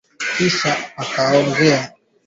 Kisha akaongeza kwamba jambo ambalo serikali hailifahamu